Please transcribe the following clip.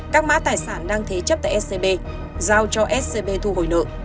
các mã tài sản đang thế chấp tại scb giao cho scb thu hồi nợ